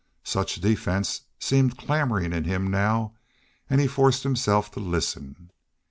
Such defense seemed clamoring in him now and he forced himself to listen.